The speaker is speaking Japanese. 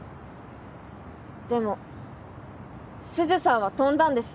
でもスズさんは飛んだんです。